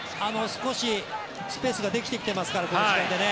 少しスペースができていますからこの時間でね。